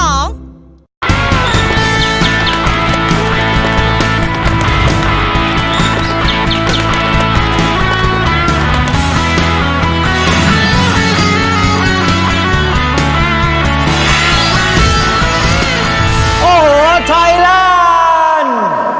โอโหทัยแลนด์